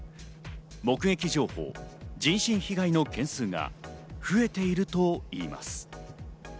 目撃情報、人身被害の件数が増えているといいます。